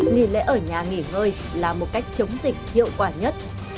nghỉ lễ ở nhà nghỉ ngơi là một cách chống dịch hiệu quả nhất